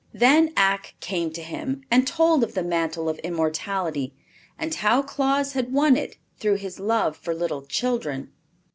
Then Ak came to him and told of the Mantle of Immortality and how Claus had won it through his love for little children.